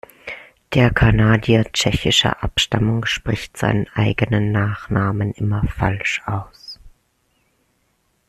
Der Kanadier tschechischer Abstammung spricht seinen eigenen Nachnamen immer falsch aus.